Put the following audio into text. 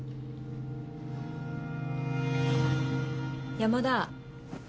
山田。